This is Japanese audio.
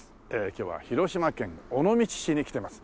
今日は広島県尾道市に来ています。